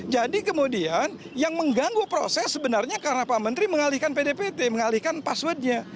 jadi kemudian yang mengganggu proses sebenarnya karena pak menteri mengalihkan pdpt mengalihkan passwordnya